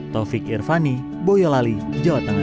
taufik irvani boyolali jawa tengah